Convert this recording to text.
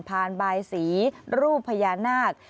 ผ่านบายสีรูปพญานาค